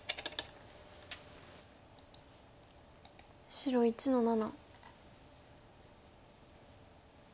白１の七。